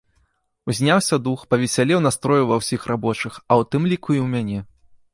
Узняўся дух, павесялеў настрой ува ўсіх рабочых, а ў тым ліку і ў мяне.